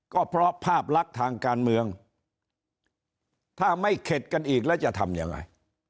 ก็เพราะภาพลักษณ์ทางการเมืองถ้าไม่เข็ดกันอีกแล้วจะทำยังไง